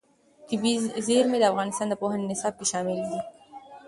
طبیعي زیرمې د افغانستان د پوهنې نصاب کې شامل دي.